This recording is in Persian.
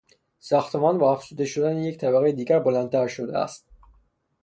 ساختمان با افزوده شدن یک طبقهی دیگر بلندتر شده است.